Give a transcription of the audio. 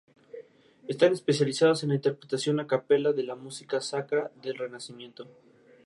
Están especializados en la interpretación "a capella" de la música sacra del Renacimiento.